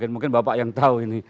mungkin bapak yang tahu ini